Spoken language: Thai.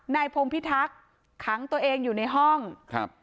พงพิทักษ์ขังตัวเองอยู่ในห้องครับ